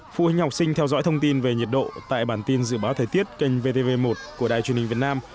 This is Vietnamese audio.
phụ huynh học sinh theo dõi thông tin về nhiệt độ tại bản tin dự báo thời tiết kênh vtv một của đài truyền hình việt nam